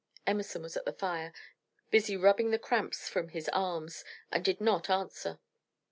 Emerson was at the fire, busy rubbing the cramps from his arms, and did not answer.